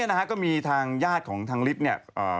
ตอนนี้ก็มีทางญาติของทางฤทธิ์